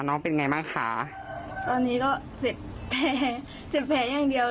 น้องเป็นไงบ้างคะตอนนี้ก็เจ็บแผลเจ็บแผลอย่างเดียว